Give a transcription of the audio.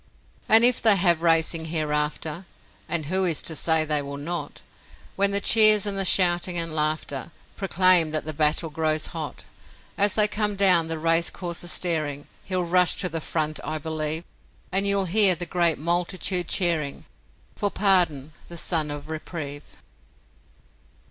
And if they have racing hereafter, (And who is to say they will not?) When the cheers and the shouting and laughter Proclaim that the battle grows hot; As they come down the racecourse a steering, He'll rush to the front, I believe; And you'll hear the great multitude cheering For Pardon, the son of Reprieve.